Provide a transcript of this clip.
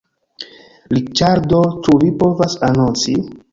Riĉardo, ĉu vi povas anonci?